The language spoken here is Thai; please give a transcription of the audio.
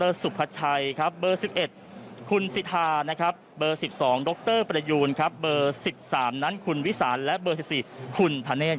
ดรสุพัชชัยบ๑๑คุณสิทธาบ๑๒ดรประยูนบ๑๓นั้นคุณวิสานและบ๑๔คุณธเนธ